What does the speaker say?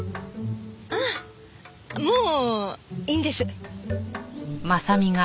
ああもういいんです。